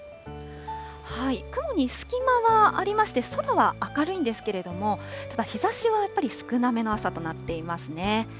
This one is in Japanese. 雲に隙間はありまして、空は明るいんですけれども、ただ、日ざしはやっぱり少なめの朝となっていますね。